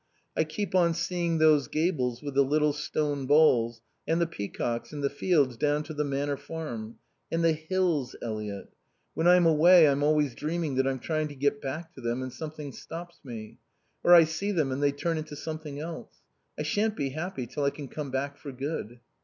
I keep on seeing those gables with the little stone balls, and the peacocks, and the fields down to the Manor Farm. And the hills, Eliot. When I'm away I'm always dreaming that I'm trying to get back to them and something stops me. Or I see them and they turn into something else. I shan't be happy till I can come back for good."